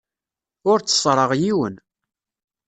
Ur tteṣṣreɣ yiwen.